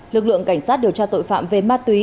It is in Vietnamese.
lực lượng cảnh sát điều tra tội phạm về ma túy